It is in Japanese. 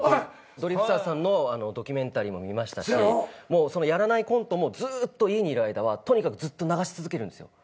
ドリフターズさんのドキュメンタリーも見ましたしやらないコントもずっと家にいる間はとにかくずっと流し続けるんですよ。